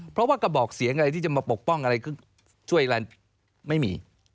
เพราะว่ากระบอกเสียงอะไรที่จะมาปกป้องอะไรคือช่วยอะไรไม่มี